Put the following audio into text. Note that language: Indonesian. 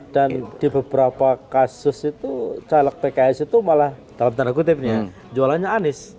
dan di beberapa kasus itu celek pks itu malah dalam tanda kutip nih ya jualannya anis